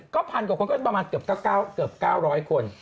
ก็พันกว่าคนก็ประมาณเกือบ๙๐๐คน